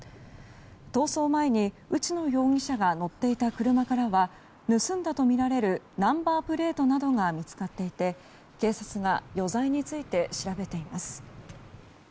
逃走前に、内野容疑者が乗っていた車からは盗んだとみられるナンバープレートなどが見つかっていて警察が余罪について調べています。